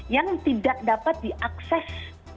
yang tidak dapat diakses